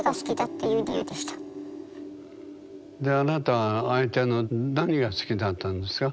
であなたは相手の何が好きだったんですか？